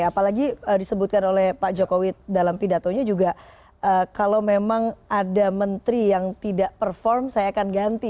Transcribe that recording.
apalagi disebutkan oleh pak jokowi dalam pidatonya juga kalau memang ada menteri yang tidak perform saya akan ganti